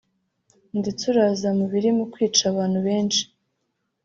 ndetse uraza mu biri mu kwica abantu benshi